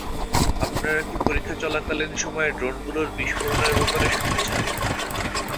আপনারা কি পরীক্ষাচলাকালীন সময়ে ড্রোনগুলোর বিস্ফোরণের ব্যাপারে শুনেছেন?